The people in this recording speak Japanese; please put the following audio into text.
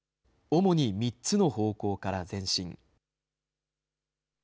主に３つの方向から前進。